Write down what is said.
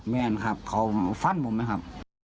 แม่นครับเขาฟันผมนะครับ